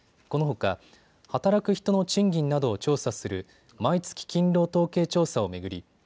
このほか働く人の賃金などを調査する毎月勤労統計調査を巡り